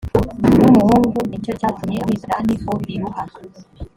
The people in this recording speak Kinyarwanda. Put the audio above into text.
w umuhungu ni cyo cyatumye amwita dani o biluha